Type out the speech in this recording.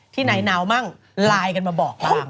ที่ไหนหนาวมั่งไลน์กันมาบอกเรา